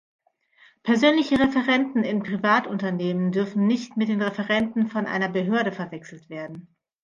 Persönliche Referenten in Privatunternehmen dürfen nicht mit den Referenten bei einer Behörde verwechselt werden.